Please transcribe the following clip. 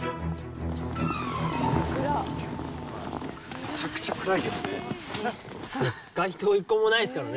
めちゃくちゃ暗いですね。